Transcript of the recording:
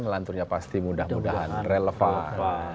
lanturnya pasti mudah mudahan relevan